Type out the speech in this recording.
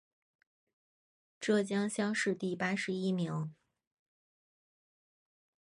浙江乡试第八十一名。